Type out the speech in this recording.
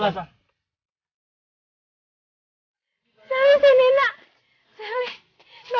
administrasi ragu kalian akan tersejar